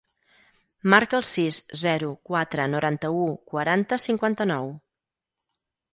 Marca el sis, zero, quatre, noranta-u, quaranta, cinquanta-nou.